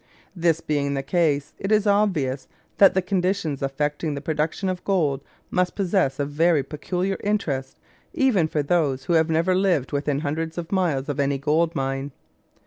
This being the case, it is obvious that the conditions affecting the production of gold must possess a very peculiar interest even for those who have never lived within hundreds of miles of any gold mine.